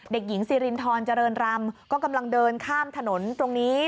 เด็กหญิงซีรินทรเจริญรำก็กำลังเดินข้ามถนนตรงนี้